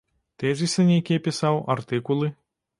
Тэзісы нейкія пісаў, артыкулы.